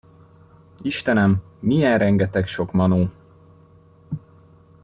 Istenem, milyen rengeteg sok manó!